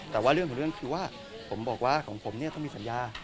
แต่ว่าเรื่องของเรื่องคือว่าผมบอกว่าของผมเนี่ยต้องมีสัญญา